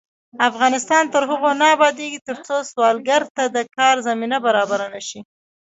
افغانستان تر هغو نه ابادیږي، ترڅو سوالګر ته د کار زمینه برابره نشي.